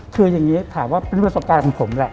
คืออย่างนี้ถามว่าเป็นประสบการณ์ของผมแหละ